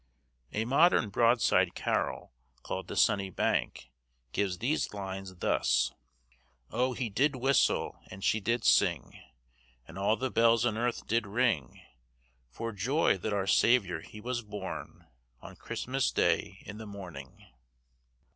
A modern broadside carol, called 'The Sunny Bank,' gives these lines thus. "O he did whistle, and she did sing, And all the bells on earth did ring, For joy that our Saviour he was born On Christmas Day in the morning."